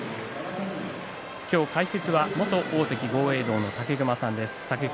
今日、解説は元大関豪栄道の武隈さんです。